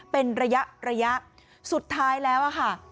เป็นระยะระยะสุดท้ายแล้วอะค่ะ